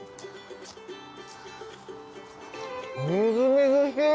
みずみずしい！